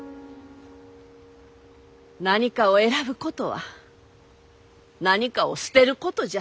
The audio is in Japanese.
何かを選ぶことは何かを捨てることじゃ。